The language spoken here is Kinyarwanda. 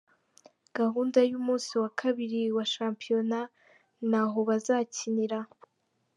Gahunda y’umunsi wa kabiri wa Shampiyona n’aho bazakinira.